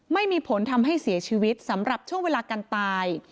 ไม่มีผลทำให้เสียชีวิตสำหรับช่วงเวลาการตาย